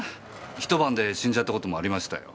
一晩で死んじゃったこともありましたよ。